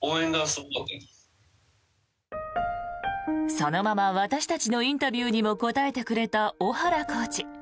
そのまま私たちのインタビューにも答えてくれた小原コーチ。